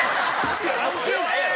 関係ないやろ。